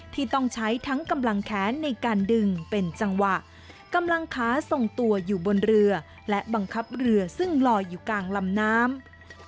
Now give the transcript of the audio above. ที่ต้องใช้ทั้งกำลังแขนในการดึงเป็นจังหวะกำลังขาทรงตัวอยู่บนเรือและบังคับเรือซึ่งลอยอยู่กลางลำน้ำ